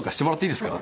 いいですよ。